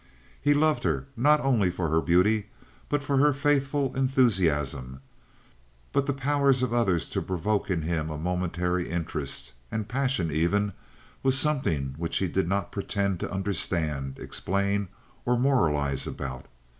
He loved her not only for her beauty, but for her faithful enthusiasm; but the power of others to provoke in him a momentary interest, and passion even, was something which he did not pretend to understand, explain, or moralize about.